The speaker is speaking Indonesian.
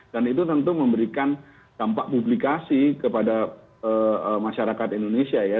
dan itu tentu memberikan dampak publikasi kepada masyarakat indonesia ya